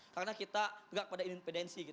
karena kita bergerak pada independensi